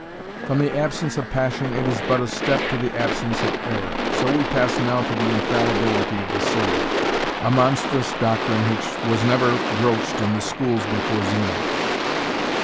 From the absence of passion it is but a step to the absence of error. So we pass now to the infallibility of the sage a monstrous doctrine which was never broached in the schools before Zeno.